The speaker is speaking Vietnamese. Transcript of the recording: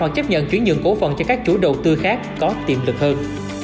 chấp nhận chuyển nhượng cổ phần cho các chủ đầu tư khác có tiềm lực hơn